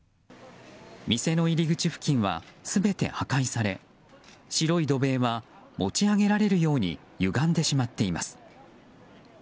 店の入り口付近は全て破壊され白い土塀は持ち上げられるように歪んでしまっています。